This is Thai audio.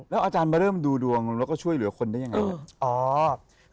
อาจารย์มาเริ่มดูดวงแล้วก็ช่วยเหลือคนได้ยังไง